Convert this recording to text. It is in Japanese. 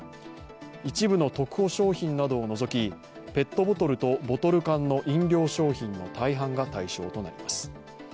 一部のトクホ商品などを除きペットボトルとボトル缶の飲料商品の大半が対象となります。